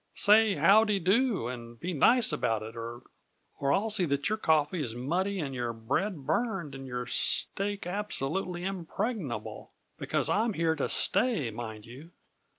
"Say how de do and be nice about it, or I'll see that your coffee is muddy and your bread burned and your steak absolutely impregnable; because I'm here to stay, mind you.